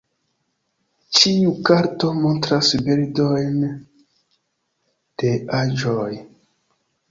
Ĉiu karto montras bildojn de aĵoj.